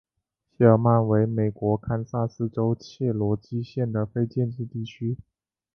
谢尔曼为美国堪萨斯州切罗基县的非建制地区。